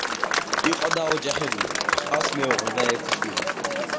იყო დაოჯახებული, ჰყავს მეუღლე და ერთი შვილი.